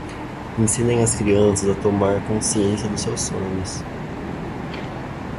Ensinem as crianças a tomar consciência dos seus sonhos.